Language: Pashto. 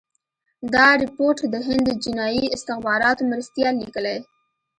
دا رپوټ د هند د جنايي استخباراتو مرستیال لیکلی.